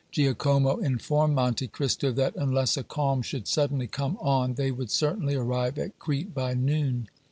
Giacomo informed Monte Cristo that unless a calm should suddenly come on they would certainly arrive at Crete by noon.